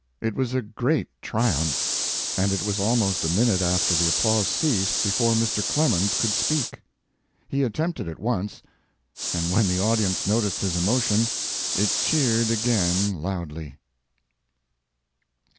It was a great triumph, and it was almost a minute after the applause ceased before Mr. Clemens could speak. He attempted it once, and when the audience noticed his emotion, it cheered again loudly.